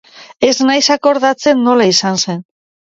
Ez naiz akordatzen nola izan zen.